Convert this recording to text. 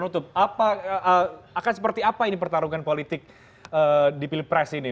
menutup akan seperti apa ini pertarungan politik di pilpres ini